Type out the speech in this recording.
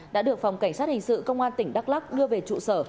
đã được phòng cảnh sát hình sự công an tỉnh đắk lắc đưa về trụ sở